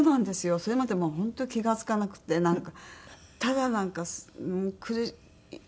それまでもう本当に気が付かなくてなんかただなんかなんだろう